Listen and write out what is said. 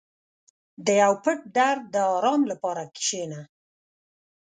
• د یو پټ درد د آرام لپاره کښېنه.